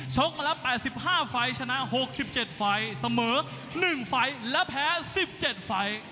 มาแล้ว๘๕ไฟล์ชนะ๖๗ไฟล์เสมอ๑ไฟล์และแพ้๑๗ไฟล์